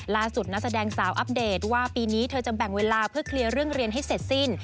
นักแสดงสาวอัปเดตว่าปีนี้เธอจะแบ่งเวลาเพื่อเคลียร์เรื่องเรียนให้เสร็จสิ้น